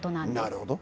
なるほど。